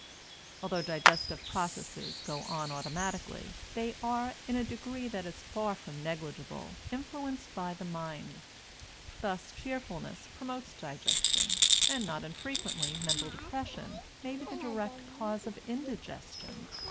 Although digestive processes go on automatically, they are, in a degree that is far from negligible, influenced by the mind. Thus, cheerfulness promotes digestion, and not infrequently mental depression may be the direct cause of indigestion.